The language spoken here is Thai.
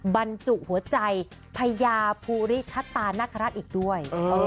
บรรจุหัวใจพญาภูริทัศตานคราชอีกด้วย